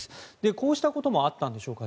こうしたこともあったんでしょうか。